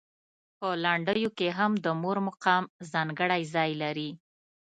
په لنډیو کې هم د مور مقام ځانګړی ځای لري.